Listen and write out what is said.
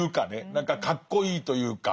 何かかっこいいというか。